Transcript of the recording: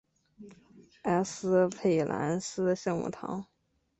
埃斯佩兰斯圣母堂。